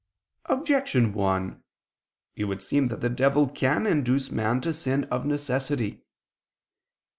Objection 1: It would seem that the devil can induce man to sin of necessity.